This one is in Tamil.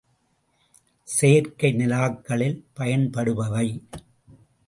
செயற்கை நிலாக்களில் பயன்படுபவை.